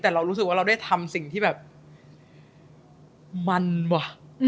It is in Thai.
แต่เรารู้สึกว่าเราได้ทำสิ่งที่แบบมันว่ะ